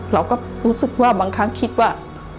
เราก็รู้สึกว่าบางครั้งคิดว่า